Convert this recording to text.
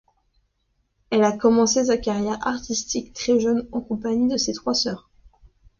Elle a commencé sa carrière artistique très jeune en compagnie de ses trois sœurs.